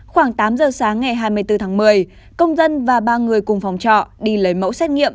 khoảng tám giờ sáng ngày hai mươi bốn tháng một mươi công dân và ba người cùng phòng trọ đi lấy mẫu xét nghiệm